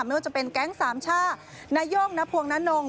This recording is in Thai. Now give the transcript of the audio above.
ไม่ว่าจะเป็นแก๊งสามช่านาย่งนพวงนานง